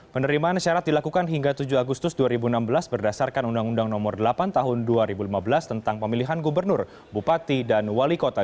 penerimaan syarat dilakukan hingga tujuh agustus dua ribu enam belas berdasarkan undang undang nomor delapan tahun dua ribu lima belas tentang pemilihan gubernur bupati dan wali kota